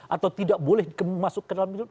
atau tidak boleh masuk ke dalam hidup